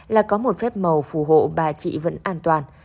là có một phép màu phù hộ bà chị vẫn an toàn